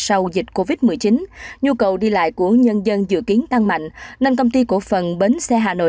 sau dịch covid một mươi chín nhu cầu đi lại của nhân dân dự kiến tăng mạnh nên công ty cổ phần bến xe hà nội